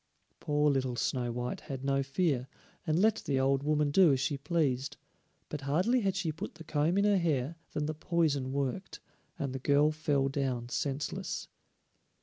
Poor little Snow white had no fear, and let the old woman do as she pleased, but hardly had she put the comb in her hair than the poison worked, and the girl fell down senseless.